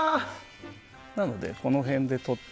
なので、この辺でとって。